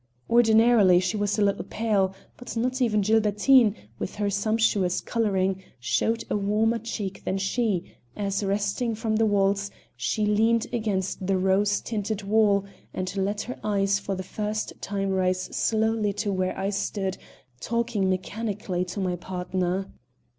Ordinarily she was a little pale, but not even Gilbertine, with her sumptuous coloring, showed a warmer cheek than she, as, resting from the waltz, she leaned against the rose tinted wall and let her eyes for the first time rise slowly to where I stood talking mechanically to my partner.